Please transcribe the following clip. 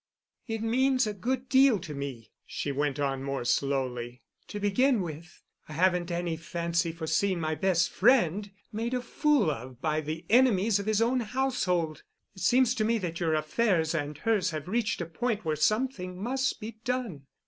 "It means a good deal to me," she went on more slowly. "To begin with, I haven't any fancy for seeing my best friend made a fool of by the enemies of his own household. It seems to me that your affairs and hers have reached a point where something must be done.